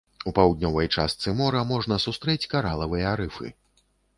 У паўднёвай частцы мора можна сустрэць каралавыя рыфы.